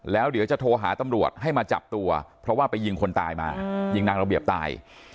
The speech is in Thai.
แล้วเดี๋ยวจะโทรหาตำรวจให้มาจับตัวเพราะว่าไปยิงคนตายมายิงนางระเบียบตาย